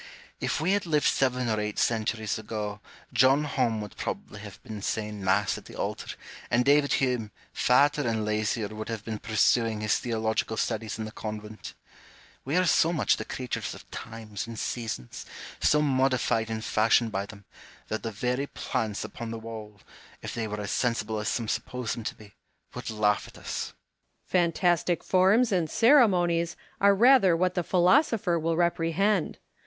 If we had lived seven or eight centuries ago, John Home would probably have been saying Mass at the altar, and David Hume, fatter and lazier, would have been pursuing his theological studies in the convent. We are so much the creatures of times and seasons, so modified and fashioned by them, that the very plants upon the wall, if they were as sensible as some suppose them to be, would laugh at us. Home. Fantastic forms and ceremonies are rather what the philosopher will reprehend.